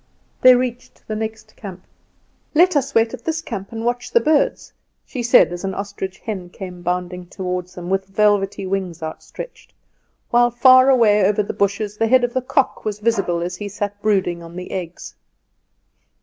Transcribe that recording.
They reached the next camp. "Let us wait at this camp and watch the birds," she said, as an ostrich hen came bounding toward them with velvety wings outstretched, while far away over the bushes the head of the cock was visible as he sat brooding on the eggs.